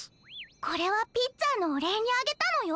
これはピッツァのおれいにあげたのよ？